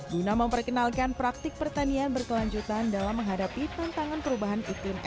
guna memperkenalkan praktik pertanian berkelanjutan dalam menghadapi tantangan perubahan